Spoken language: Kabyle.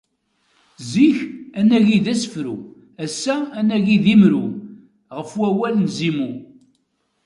Zik, anagi d asefru, ass-a anagi d imru, ɣef wawal n Zimu.